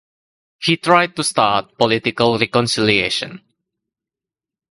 He tried to start political reconciliation.